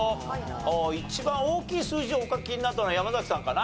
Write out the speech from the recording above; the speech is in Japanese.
ああ一番大きい数字をお書きになったのは山崎さんかな。